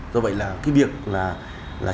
do vậy là cái việc là